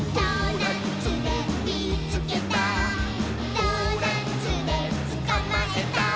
「ドーナツでつかまえた！」